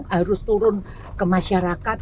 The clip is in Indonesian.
harus turun ke masyarakat